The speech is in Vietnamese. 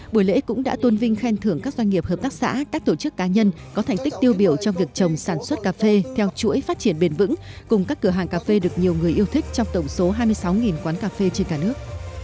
buổi lễ cũng đã tôn vinh khen thưởng các doanh nghiệp hợp tác xã các tổ chức cá nhân có thành tích tiêu biểu trong việc trồng sản xuất cà phê theo chuỗi phát triển bền vững cùng các cửa hàng cà phê được nhiều người yêu thích trong tổng số hai mươi sáu quán cà phê trên cả nước